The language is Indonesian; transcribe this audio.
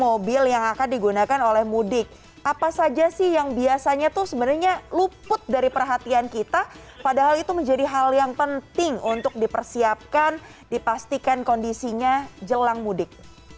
mobil yang akan digunakan oleh mudik apa saja sih yang biasanya tuh sebenarnya luput dari perhatian kita padahal itu menjadi hal yang penting untuk dipersiapkan dipastikan kondisinya jelang mudik